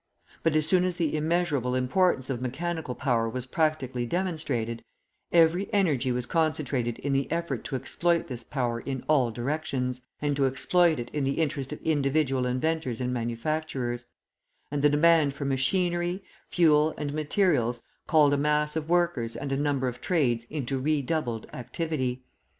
But as soon as the immeasurable importance of mechanical power was practically demonstrated, every energy was concentrated in the effort to exploit this power in all directions, and to exploit it in the interest of individual inventors and manufacturers; and the demand for machinery, fuel, and materials called a mass of workers and a number of trades into redoubled activity.